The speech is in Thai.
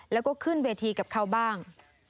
แล้วก็ขึ้นเวทีกับเขาบ้าง